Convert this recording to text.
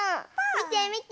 みてみて。